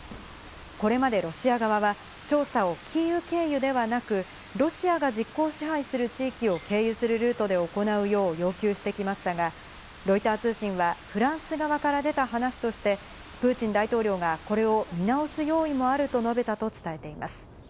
これまでロシア側は、調査をキーウ経由ではなく、ロシアが実効支配する地域を経由するルートで行うよう要求してきましたが、ロイター通信は、フランス側から出た話として、プーチン大統領がこれを見直す用意もあると述べたと伝えています。